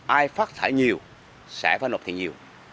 ai phát thải nhiều sẽ phải nộp tiền nhiều